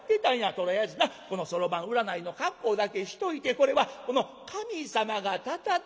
とりあえずなこのそろばん占いの格好だけしといて『これはこの神様がたたってます。